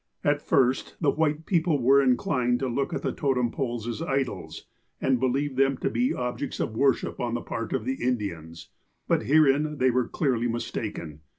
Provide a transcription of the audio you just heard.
At first the white peoi)le were inclined to look at the totem poles as idols, and believed them to be objects of worship on the part of the Indians. But herein they were clearly mistaken.